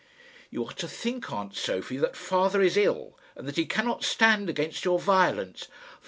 "You are to think, aunt Sophie, that father is ill, and that he cannot stand against your violence."